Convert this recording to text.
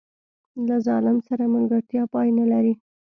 له ظالم سره ملګرتیا پای نه لري.